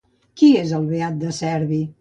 Qui és Beat de Cerbi?